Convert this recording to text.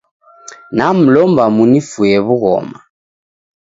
Namlomba munifue w'ughoma